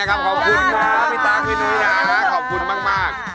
ขอบคุณมาก